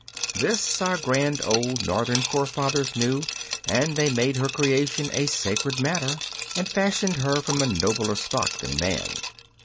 This our grand old Northern forefathers knew, and they made her creation a sacred matter, and fashioned her from a nobler stock than man.